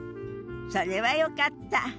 それはよかった。